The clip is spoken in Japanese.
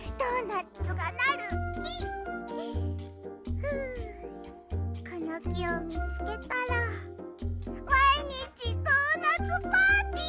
ふうこのきをみつけたらまいにちドーナツパーティー！